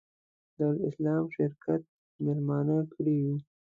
دارالسلام شرکت مېلمانه کړي یو.